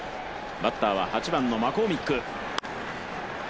バッターは８番のマコーミック。